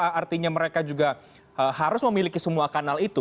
artinya mereka juga harus memiliki semua kanal itu